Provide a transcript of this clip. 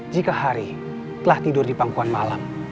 jika hari telah tidur di pangkuan malam